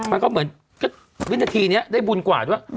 มันก็เหมือนก็วินาทีนี้ได้บุญกว่าด้วย